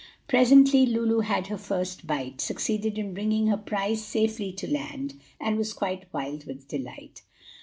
Presently Lulu had her first bite, succeeded in bringing her prize safely to land, and was quite wild with delight.